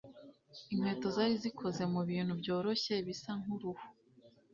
inkweto zari zikoze mubintu byoroshye bisa nkuruhu